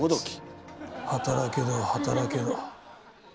働けど働けど